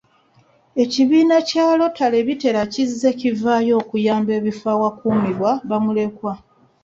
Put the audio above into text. Ekibiina bya lotale bitera kizze kivaayo okuyamba ebifo ewakuumirwa bamulekwa.